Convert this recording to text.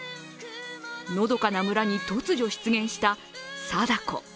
のどかな村に突如出現した貞子。